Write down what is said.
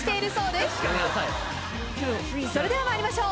それでは参りましょう。